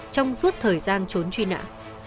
trong suốt thời gian trốn truy nã